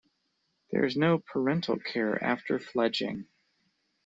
There is no parental care after fledging.